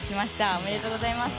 おめでとうございます。